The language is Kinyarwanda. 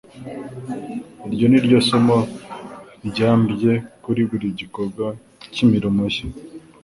iryo ni ryo somo ryamrye muri buri gikorwa cy'imirimo ye.